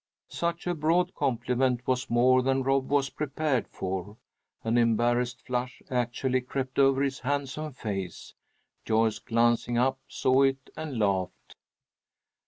Such a broad compliment was more than Rob was prepared for. An embarrassed flush actually crept over his handsome face. Joyce, glancing up, saw it and laughed.